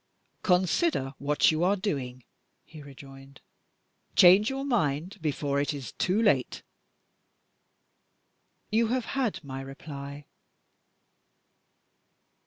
"Consider what you are doing," he rejoined. "Change your mind, before it is too late!" "You have had my reply."